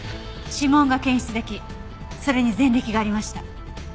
指紋が検出できそれに前歴がありました。